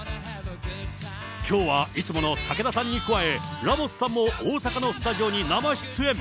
きょうはいつもの武田さんに加え、ラモスさんも大阪のスタジオに生出演。